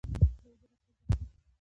د اوبو لګول د یخنۍ مخه نیسي؟